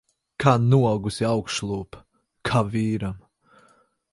Kā noaugusi augšlūpa. Kā vīram.